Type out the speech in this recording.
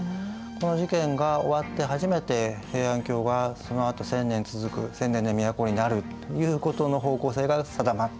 この事件が終わって初めて平安京がそのあと千年続く千年の都になるということの方向性が定まった。